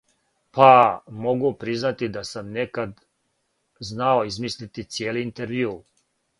Па, могу признати да сам некад знао измислити цијели интервју.